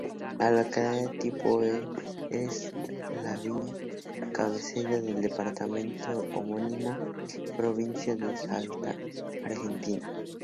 La localidad tipo es: La Viña, cabecera del departamento homónimo, provincia de Salta, Argentina.